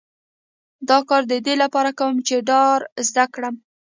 دا کار د دې لپاره کوم چې ډار زده کړم